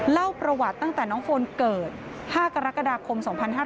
เล่าประวัติตั้งแต่น้องโฟนเกิด๕กรกฎาคม๒๕๕๙